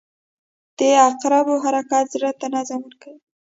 • د عقربو حرکت زړه ته نظم ورکوي.